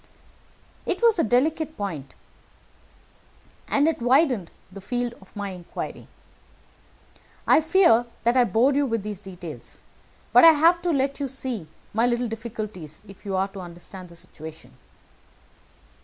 It was a delicate point, and it widened the field of my inquiry. I fear that I bore you with these details, but I have to let you see my little difficulties, if you are to understand the situation."